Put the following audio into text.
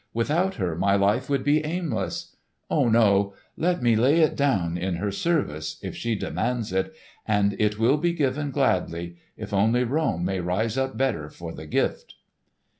Without her my life would be aimless. Ah, no! let me lay it down in her service, if she demands it, and it will be given gladly—if only Rome may rise up better for the gift!"